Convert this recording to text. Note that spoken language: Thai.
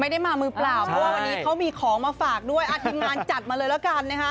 ไม่ได้มามือเปล่าเพราะว่าวันนี้เขามีของมาฝากด้วยทีมงานจัดมาเลยแล้วกันนะคะ